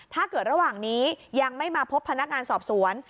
ระหว่างนี้ยังไม่มาพบพนักงานสอบสวน